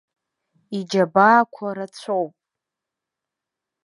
Иџьабаақәа рацәоуп.